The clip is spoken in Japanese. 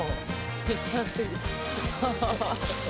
めっちゃ安いです。